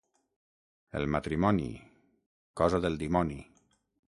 El matrimoni, cosa del dimoni.